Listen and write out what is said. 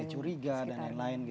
curiga dan lain lain